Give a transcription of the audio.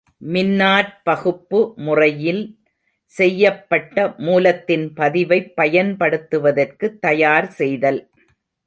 மின்னாற்பகுப்பு முறையில் செய்யப்பட்ட மூலத்தின் பதிவைப் பயன்படுத்துவதற்கு தயார் செய்தல்.